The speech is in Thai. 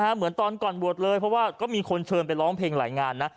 เหมือนตอนก่อนบวชเลยเพราะว่าก็มีคนเชิญไปร้องเพลงหลายงานนะ